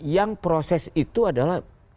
yang proses itu adalah